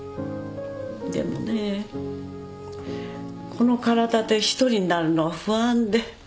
でもねこの体で一人になるのが不安で。